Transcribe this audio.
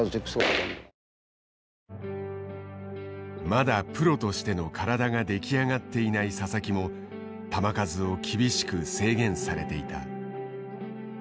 まだプロとしての体が出来上がっていない佐々木も球数を厳しく制限されていた。